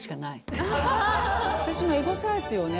私もエゴサーチをね